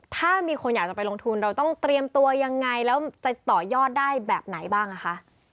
ถ้ามีคนอยากจะไปลงทุนเราต้องเตรียมตัวยังไงแล้วจะต่อยอดได้แบบไหนบ้างคะ